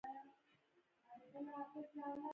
دین از دیدګاه شاطبي کتاب ته مراجعه وکړئ.